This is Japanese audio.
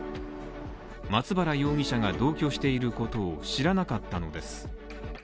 松原容疑者が同居していることを知らなかったのです。